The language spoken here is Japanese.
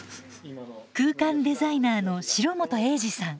空間デザイナーの城本栄治さん。